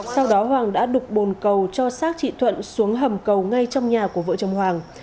sau đó hoàng đã đục bồn cầu cho xác chị thuận xuống hầm cầu ngay trong nhà của vợ chồng hoàng